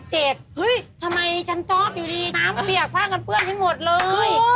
เฮ้ยทำไมฉันชอบอยู่ดีน้ำเปียกผ้ากันเปื้อนให้หมดเลย